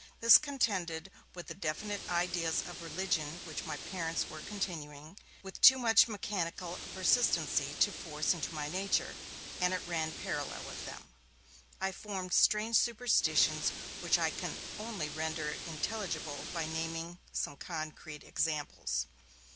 This contended with the definite ideas of religion which my parents were continuing, with too mechanical a persistency, to force into my nature, and it ran parallel with them. I formed strange superstitions, which I can only render intelligible by naming some concrete examples.